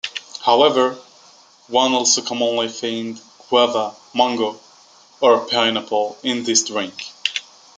However, one also commonly finds guava, mango, or pineapple in these drinks.